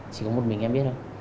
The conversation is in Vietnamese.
chỉ có một mình em biết thôi